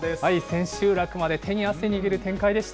千秋楽まで手に汗握る展開でした。